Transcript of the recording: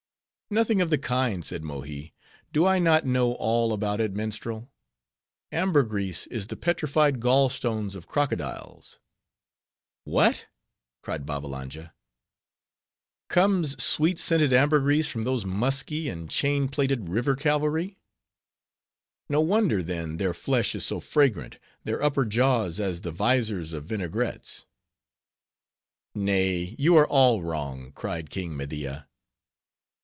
"Nothing of the kind," said Mohi. "Do I not know all about it, minstrel? Ambergris is the petrified gall stones of crocodiles." "What!" cried Babbalanja, "comes sweet scented ambergris from those musky and chain plated river cavalry? No wonder, then, their flesh is so fragrant; their upper jaws as the visors of vinaigrettes." "Nay, you are all wrong," cried King Media.